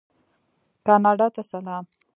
کاناډا ته سلام.